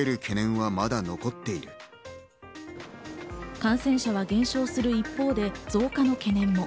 感染者は減少する一方で増加の懸念も。